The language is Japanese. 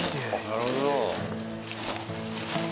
なるほど。